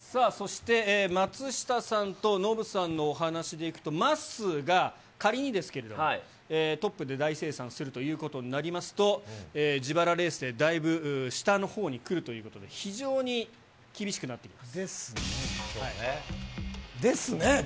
さあ、そして松下さんとノブさんのお話しでいくと、まっすーが、仮にですけれども、トップで大精算するということになりますと、自腹レースでだいぶ下のほうに来るということで、非常に厳しくなっています。ですね。